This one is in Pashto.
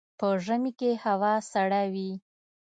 په ژمي کې هوا سړه وي